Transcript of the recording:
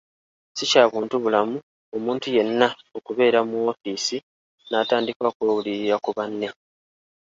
Si kya buntubulamu omuntu yenna okubeera mu woofiisi n’atandika okwewulirira ku banne.